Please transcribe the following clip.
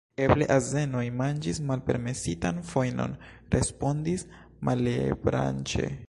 Eble azenoj manĝis malpermesitan fojnon, respondis Malebranche.